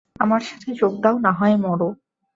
আমার সাথে যোগা দাও না হয় মরো!